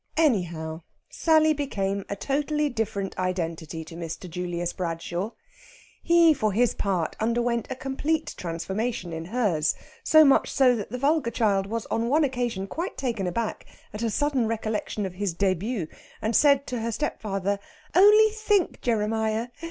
Anyhow, Sally became a totally different identity to Mr. Julius Bradshaw. He, for his part, underwent a complete transformation in hers so much so that the vulgar child was on one occasion quite taken aback at a sudden recollection of his début, and said to her stepfather: "Only think, Jeremiah!